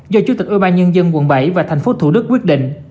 do chủ tịch ubnd quận bảy và tp thủ đức quyết định